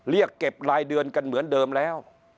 เรียกเก็บรายเดือนกันเหมือนเดิมแล้ว